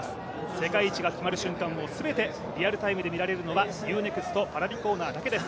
世界一が決まる瞬間を全てリアルタイムで見られるのはＵ−ＮＥＸＴＰａｒａｖｉコーナーだけです。